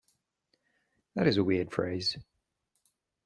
That is a weird phrase.